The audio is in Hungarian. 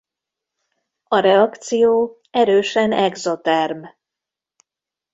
A reakció erősen exoterm.